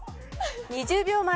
２０秒前。